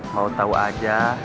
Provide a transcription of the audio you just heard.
mau tau aja